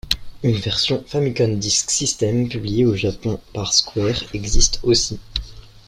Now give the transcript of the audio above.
Une version Famicom Disk System publiée au Japon par Square existe aussi.